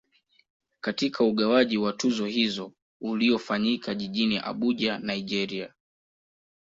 Katika ugawaji wa tuzo hizo uliofanyika jijini Abuja Nigeria